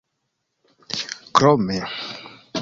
krome